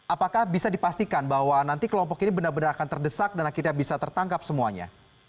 apakah bisa dipastikan bahwa nanti kelompok ini benar benar akan terdesak dan akhirnya bisa tertangkap semuanya